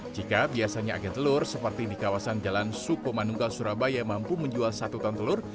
jika biasanya agen telur seperti di kawasan jalan sukomanunggal surabaya mampu menjual satu ton telur